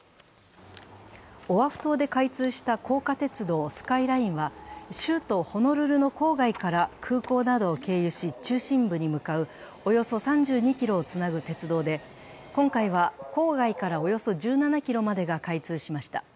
オアフ島で開通した高架鉄道、スカイラインは州都ホノルルの郊外から空港などを経由し、中心部に向かう、およそ３２ｋｍをつなぐ鉄道で今回は郊外からおよそ１７ｋｍまでが開通しました。